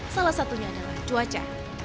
salah satunya adalah cuaca